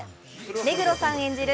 目黒さん演じる